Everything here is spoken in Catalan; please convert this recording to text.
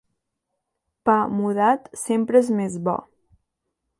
Pa mudat sempre és més bo.